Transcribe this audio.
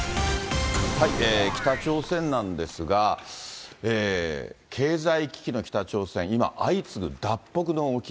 北朝鮮なんですが、経済危機の北朝鮮、今、相次ぐ脱北の動き。